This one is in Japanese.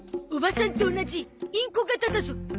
おばさんと同じインコ型だゾ。